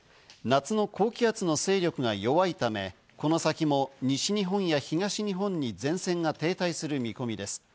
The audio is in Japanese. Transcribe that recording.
夏の高気圧の勢力が弱いため、この先も西日本や東日本に前線が停滞する見込みです。